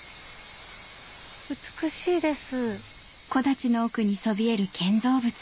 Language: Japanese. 美しいです。